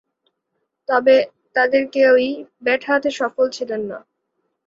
তবে, তাদের কেউই ব্যাট হাতে সফল ছিলেন না।